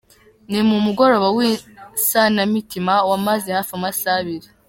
Ni mu mugoroba w’isanamitima wamaze hafi amasa abiri.